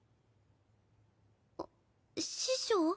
あっ師匠？